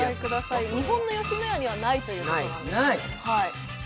日本の吉野家にはないということです。